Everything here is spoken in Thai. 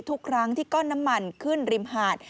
ทุกครั้งที่ก้อนน้ำมันขึ้นริมหาด